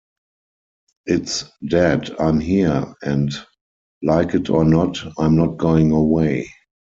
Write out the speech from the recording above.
It's 'Dad, I'm here, and like it or not, I'm not going away.